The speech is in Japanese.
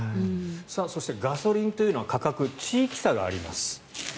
そしてガソリンというのは価格、地域差があります。